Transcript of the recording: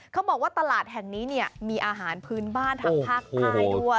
เขาบอกว่าตลาดแห่งนี้มีอาหารพื้นบ้านทางภาคใต้ด้วย